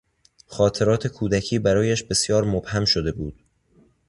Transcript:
خاطرات کودکی برایش بسیار مبهم شده بود.